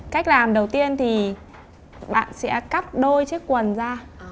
cách làm đầu tiên thì bạn sẽ cắt đôi chiếc quần ra